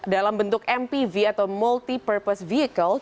dalam bentuk mpv atau multi purpose vehicle